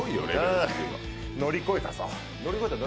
乗り越えたぞ。